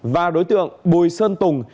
và đối tượng bùi sơn tùng